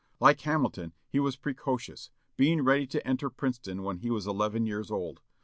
Like Hamilton, he was precocious; being ready to enter Princeton when he was eleven years old.